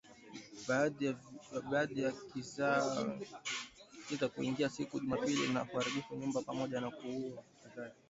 baada ya kiza kuingia siku ya Jumapili na kuharibu nyumba pamoja na kuwaua wakaazi